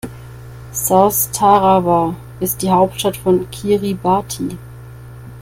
South Tarawa ist die Hauptstadt von Kiribati.